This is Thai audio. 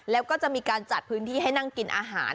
แล้วก็จะมีการจัดพื้นที่ให้นั่งกินอาหาร